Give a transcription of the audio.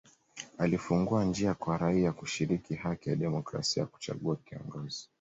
Alifungua njia kwa raia kushiriki haki ya kidemokrasia ya kuchagua kiongozi